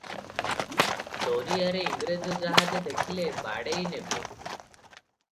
ଦରିଆରେ ଇଂରେଜ ଜାହାଜ ଦେଖିଲେ ବାଡ଼େଇ ନେବେ ।